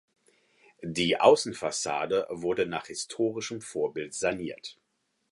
Die Außenfassade wurde nach historischem Vorbild saniert.